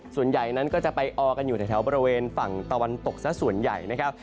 ส่วนใหญ่นั้นก็จะไปออกันอยู่ในแถวบริเวณฝั่งตะวันตกซะส่วนใหญ่นะครับ